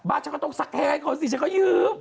บ้าฉันก็ต้องสักแท้ก่อนสิฉันก็ยืม